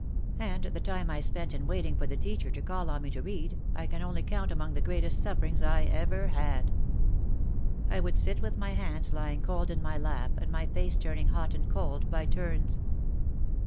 And the time I spent in waiting for the teacher to call on me to read I can only count among the greatest sufferings I ever had. I would sit with my hands lying cold in my lap and my face turning hot and cold by turns.